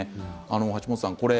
橋本さん